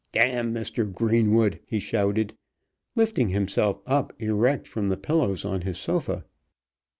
"D Mr. Greenwood," he shouted, lifting himself up erect from the pillows on his sofa.